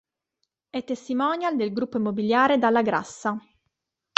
È testimonial del Gruppo Immobiliare Dalla Grassa.